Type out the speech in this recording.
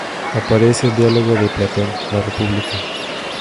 Aparece en el diálogo de Platón, "La República".